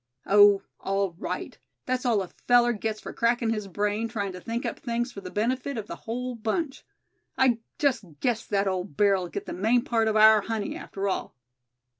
"Oh! all right; that's all a feller gets for crackin' his brain trying to think up things for the benefit of the whole bunch. I just guess that old bear'll get the main part of our honey, after all."